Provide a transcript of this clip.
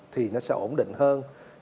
thì nó sẽ ổn định hơn